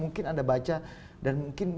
mungkin anda baca dan mungkin